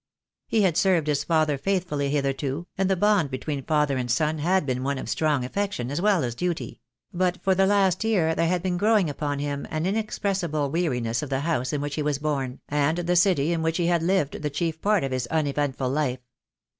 He had served his father faithfully hitherto, and the bond between father and son had been one of strong af fection as well as duty; but for the last year there had been growing upon him an inexpressible weariness of the house in which he was born, and the city in which he had lived the chief part of his uneventful life.